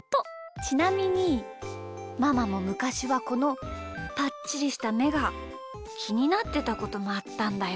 ちなみにママもむかしはこのぱっちりしためがきになってたこともあったんだよ。